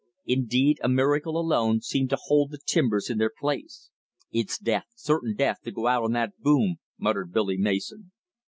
Indeed a miracle alone seemed to hold the timbers in their place. "It's death, certain death, to go out on that boom," muttered Billy Mason.